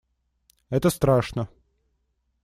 Это страшно.